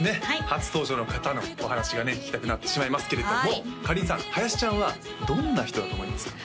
初登場の方のお話がね聞きたくなってしまいますけれどもかりんさん林ちゃんはどんな人だと思いますか？